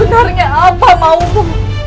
ket agencyast thompson mengungu